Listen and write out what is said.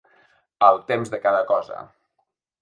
El temps de cada cosa.